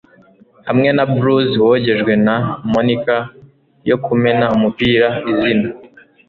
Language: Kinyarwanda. hamwe na blues-wogejwe na moniker yo kumena umupira, izina